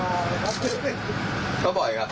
ลูกสาวหลายครั้งแล้วว่าไม่ได้คุยกับแจ๊บเลยลองฟังนะคะ